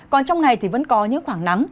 còn trong ngày thì vẫn có những khoảng nắng